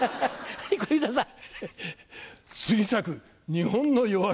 はい小遊三さん。